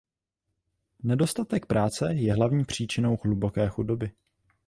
Nedostatek práce je hlavní příčinou hluboké chudoby.